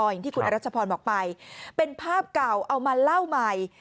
อย่างที่คุณอรัชพรบอกไปเป็นภาพเก่าเอามาเล่าใหม่